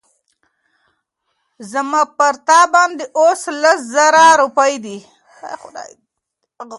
زما پر تا باندي اوس لس زره روپۍ دي